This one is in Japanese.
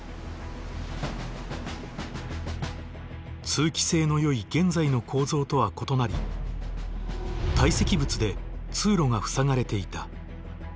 通気性のよい現在の構造とは異なり堆積物で通路が塞がれていた。